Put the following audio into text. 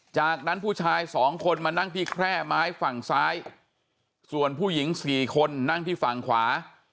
จากนั้นผู้ชายสองคนมานั่งที่แคร่ไม้ฝั่งซ้ายส่วนผู้หญิงสี่คนนั่งที่ฝั่งขวา